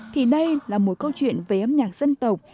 thì đây là một câu chuyện về âm nhạc dân tộc